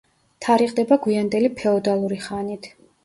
თარიღდება გვიანდელი ფეოდალური ხანით.